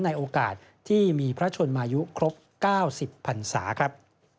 ในโอกาสที่มีพระชนมายุครบ๙๐พันศาครับ